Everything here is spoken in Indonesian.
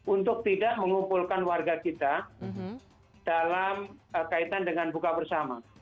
untuk tidak mengumpulkan warga kita dalam kaitan dengan buka bersama